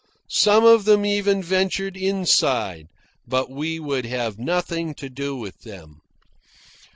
Some of them even ventured inside, but we would have nothing to do with them.